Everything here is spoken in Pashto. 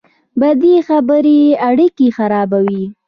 بدې خبرې اړیکې خرابوي